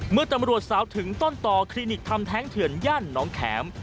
เมื่อตำรวจสาวถึงต้นต่อคลินิกทำแท้งเถื่อนย่านน้องแข็ม